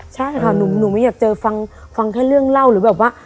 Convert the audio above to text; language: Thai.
ใช่ค่ะหนูไม่อยากเจอฟังแค่เรื่องเล่าหรือแบบว่า